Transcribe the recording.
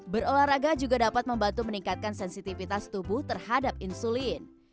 berolahraga juga dapat membantu meningkatkan sensitivitas tubuh terhadap insulin